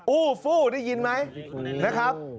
อู้ฟู้ได้ยินไหมนะครับ